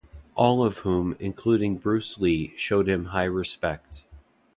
All of whom, including Bruce Lee, showed him high respect.